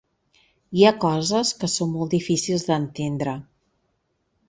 Hi ha coses que són molt difícils d’entendre.